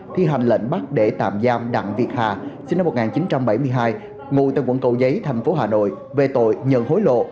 thi hành lệnh bắt để tạm giam đặng việt hà sinh năm một nghìn chín trăm bảy mươi hai ngồi tại quận cầu giấy tp hcm về tội nhận hối lộ